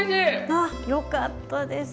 ああよかったです。